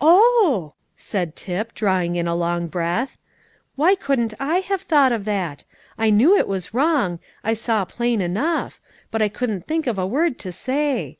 "Oh!" said Tip, drawing a long breath; "why couldn't I have thought of that? I knew it was wrong, I saw it plain enough; but I couldn't think of a word to say."